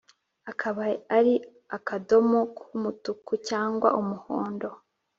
akaba ari akadomo k’umutuku cyangwa umuhondo